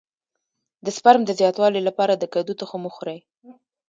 د سپرم د زیاتوالي لپاره د کدو تخم وخورئ